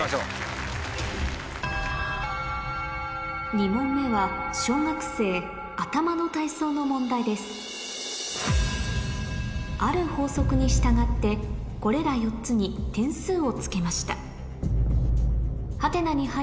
２問目は小学生の問題ですある法則に従ってこれら４つに点数をつけました